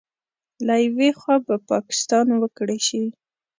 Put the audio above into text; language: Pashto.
له یوې خوا به پاکستان وکړې شي